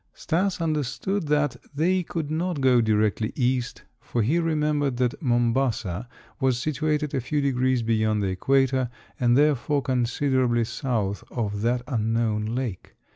Stas understood that they could not go directly east for he remembered that Mombasa was situated a few degrees beyond the equator and therefore considerably south of that unknown lake.